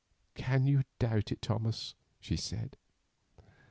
"Can you doubt it, Thomas?" she said.